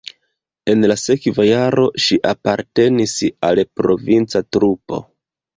En la sekva jaro ŝi apartenis al provinca trupo.